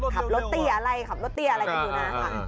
ขับรถเตียร์อะไรขับรถเตียร์อะไรกันดูนะ